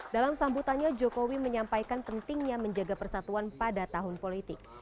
dalam sambutannya jokowi menyampaikan pentingnya menjaga persatuan pada tahun politik